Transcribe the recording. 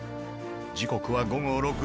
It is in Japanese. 時刻は午後６時。